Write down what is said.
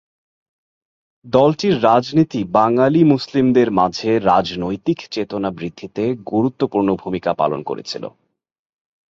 দলটির রাজনীতি বাঙালি মুসলিমদের মাঝে রাজনৈতিক চেতনা বৃদ্ধিতে গুরুত্বপূর্ণ ভূমিকা পালন করেছিল।